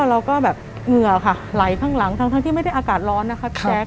เราก็แบบเหงื่อค่ะไหลข้างหลังทั้งที่ไม่ได้อากาศร้อนนะคะพี่แจ๊ค